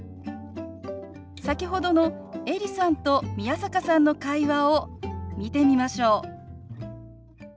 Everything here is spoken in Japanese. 先ほどのエリさんと宮坂さんの会話を見てみましょう。